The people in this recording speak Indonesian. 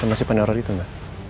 sama si pandara itu nggak